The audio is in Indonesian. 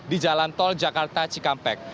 di jalan tol jakarta cikampek